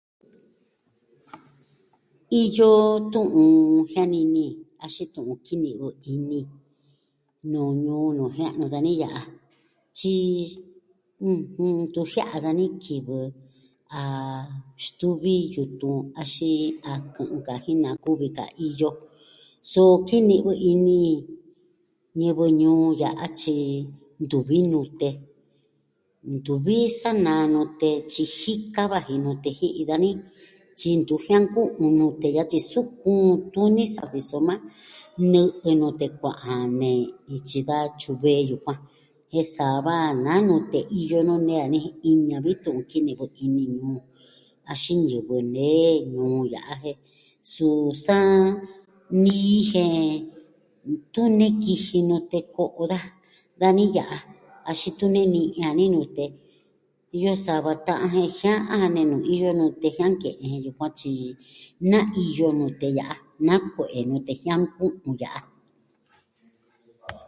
Iyo tu'un jianini, axin tu'un kini'vɨ ini nuu ñuu nuu jia'nu dani ya'a. Tyi ntu jia'a dani kivɨ a stuvi yutun axin a kɨ'ɨn ka jin na kuvi ka a iyo. So kini'vɨ ini ñivɨ ñuu ya'a tyi ntuvi nute, ntuvi sanaa nute tyi jika vaji nute ji'i dani tyi ntu jianku'un nute ya'a tyi su kuun tuni savi, soma nɨ'ɨ nute kua'an jan ne ityi da tyuvee yukuan. Jen sa va naa nute iyo nuu nee dani, iña vi tu'un kini'vɨ ini ñuu axin ñivɨ nee ñuu ya'a jen su sa nií jen tunee kiji nute ko'o daja dani ya'a axin tunee ni'in dani nute, iyo sava ta'an jen jia'an jan nenu iyo nute jia'an ke'en jen yukuan, tyi na iyo nute ya'a na kue'e nute jianku'un ya'a.